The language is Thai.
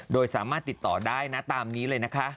โดยสามารถติดต่อได้ตามนี้เลย